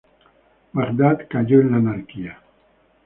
Bagdad cayó en la anarquía.